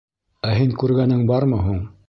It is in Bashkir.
— Ә һин күргәнең бармы һуң?